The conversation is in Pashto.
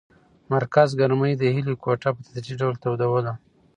مرکز ګرمۍ د هیلې کوټه په تدریجي ډول تودوله.